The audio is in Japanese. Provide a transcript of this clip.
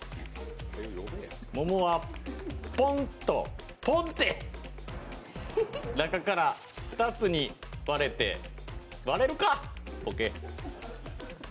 桃はポンって中から２つに割れて割れるか、ボケ。